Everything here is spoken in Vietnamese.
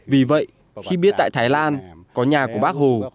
vì vậy khi biết tại thái lan có nhà của bác hồ